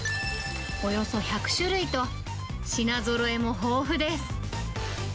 およそ１００種類と、品ぞろえも豊富です。